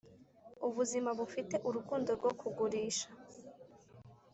ubuzima bufite urukundo rwo kugurisha,